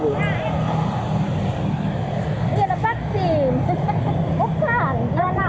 iya ada vaksin